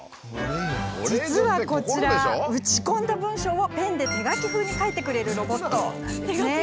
実はこちら打ち込んだ文章をペンで手書き風に書いてくれるロボット。